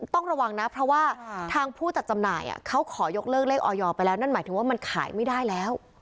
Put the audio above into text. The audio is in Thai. ต้องระวังนะเพราะว่าทางผู้จัดจำหน่ายเขาขอยกเลิกเลขออยไปแล้วนั่นหมายถึงว่ามันขายไม่ได้แล้ว